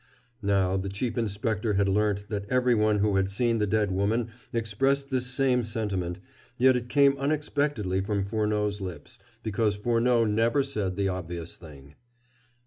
Now, the Chief Inspector had learnt that everyone who had seen the dead woman expressed this same sentiment, yet it came unexpectedly from Furneaux's lips; because Furneaux never said the obvious thing.